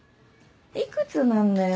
いくつなんだよ？